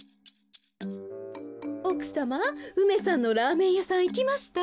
おくさま梅さんのラーメンやさんいきました？